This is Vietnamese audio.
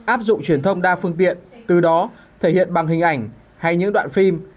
áp dụng truyền thông đa phương tiện từ đó thể hiện bằng hình ảnh hay những đoạn phim